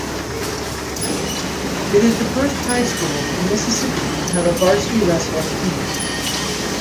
It is the first high school in Mississippi to have a varsity wrestling team.